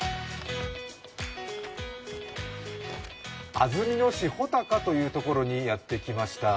安曇野市穂高というところにやってきました。